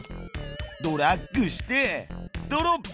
ドラッグしてドロップ。